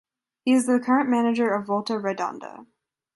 He is the current manager of Volta Redonda.